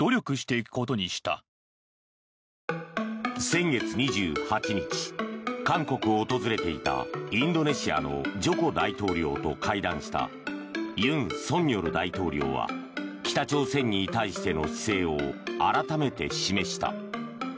先月２８日、韓国を訪れていたインドネシアのジョコ大統領と会談した尹錫悦大統領は北朝鮮に対しての姿勢を改めて示した。